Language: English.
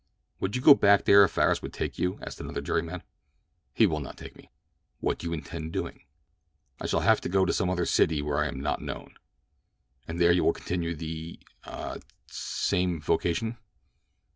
"Would you go back there if Farris would take you?" asked another jury man. "He will not take me." "What do you intend doing?" "I shall have to go to some other city where I am not known." "And there you will continue the—ah—the same vocation?"